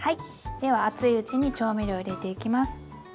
では熱いうちに調味料入れていきます。